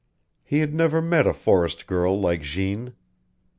He had never met a forest girl like Jeanne.